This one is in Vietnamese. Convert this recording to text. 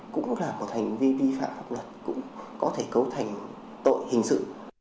cũng là một hành vi vi phạm pháp luật cũng có thể cấu thành tội hình sự